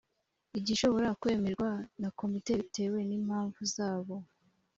igishobora kwemerwa na komite bitewe n’impamvu zabo